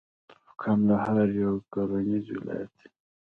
کندهار یو کرنیز ولایت دی.